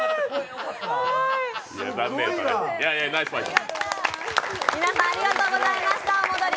ナイスファイト。